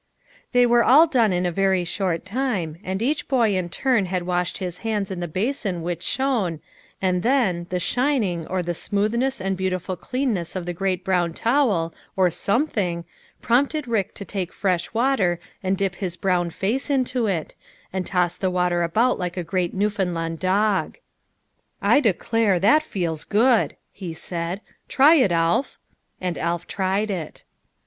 They were all done in a very short time, and each boy in turn had washed his hands in the basin which shone, and then, the shining, or the smoothness and beautiful cleanness of the great brown towel, or something, prompted Rick to take fresh water and dip his brown face into it, A COMPLETE SUCCESS. 211 and toss the water about like a great Newfound land dog. " I declare, that feels good !" he said. " Try it, Alf." And Alf tried it.